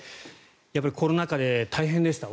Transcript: やっぱりコロナ禍で大変でした